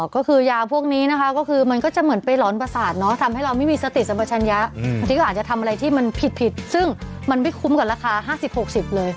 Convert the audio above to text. ก็คือยาพวกนี้นะคะก็คือมันก็จะเหมือนไปหลอนประสาทเนาะทำให้เราไม่มีสติสัมปชัญญะบางทีก็อาจจะทำอะไรที่มันผิดซึ่งมันไม่คุ้มกับราคา๕๐๖๐เลย